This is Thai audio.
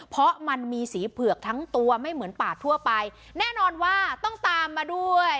เพราะมันมีสีเผือกทั้งตัวไม่เหมือนป่าทั่วไปแน่นอนว่าต้องตามมาด้วย